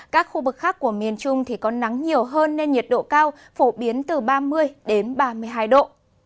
các khu vực khác của miền trung thì có nắng nhiều hơn nên nhiệt độ cao phổ biến từ ba mươi đến ba mươi hai độ